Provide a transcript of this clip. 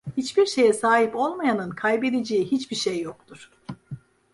Hiçbir şeye sahip olmayanın kaybedeceği hiçbir şey yoktur.